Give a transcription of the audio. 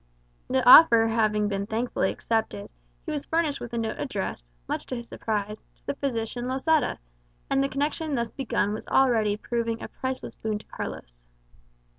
The offer having been thankfully accepted, he was furnished with a note addressed, much to his surprise, to the physician Losada; and the connection thus begun was already proving a priceless boon to Carlos.